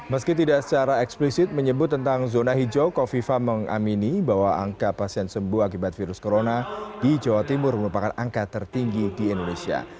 meski tidak secara eksplisit menyebut tentang zona hijau kofifa mengamini bahwa angka pasien sembuh akibat virus corona di jawa timur merupakan angka tertinggi di indonesia